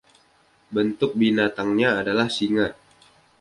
Bentuk binatangnya adalah singa.